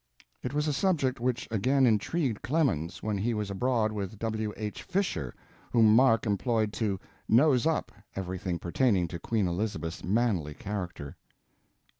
It was a subject which again intrigued Clemens when he was abroad with W. H. Fisher, whom Mark employed to "nose up" everything pertaining to Queen Elizabeth's manly character.